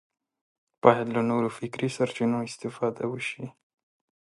باید له نورو فکري سرچینو استفاده وشي